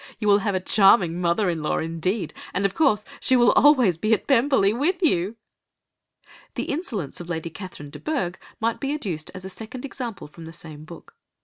You will have a charming mother in law indeed, and of course she will always be at Pemberley with you.'" The insolence of Lady Catherine de Bourgh might be adduced as a second example from the same book.